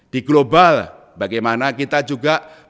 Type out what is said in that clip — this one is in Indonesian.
di global bagaimana kita juga